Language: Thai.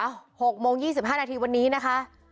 ๖โมง๒๕นาทีวันนี้นะคะ